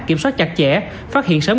kiểm soát chặt chẽ phát hiện sớm